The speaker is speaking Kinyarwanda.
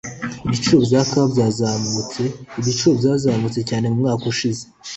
Ibiciro bya kawa byazamutse Ibiciro byazamutse cyane mu mwaka ushize.